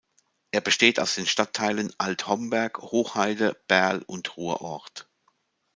Er besteht aus den Stadtteilen Alt-Homberg, Hochheide, Baerl und Ruhrort.